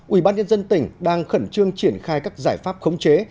ubnd tỉnh đang khẩn trương triển khai các giải pháp khống chế